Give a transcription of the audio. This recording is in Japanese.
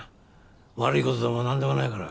悪い事でもなんでもないから。